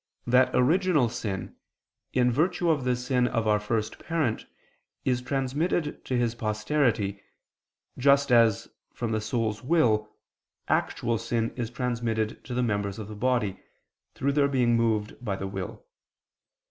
that original sin, in virtue of the sin of our first parent, is transmitted to his posterity, just as, from the soul's will, actual sin is transmitted to the members of the body, through their being moved by the will.